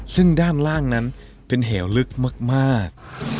ซึ่งด้านล่างนั้นเป็นเหวลึกมาก